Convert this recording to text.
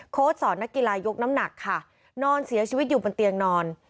สอนนักกีฬายกน้ำหนักค่ะนอนเสียชีวิตอยู่บนเตียงนอน